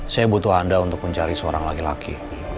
saya butuh anda untuk mencari seorang laki laki